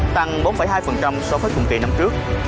tăng bốn hai so với cùng kỳ năm trước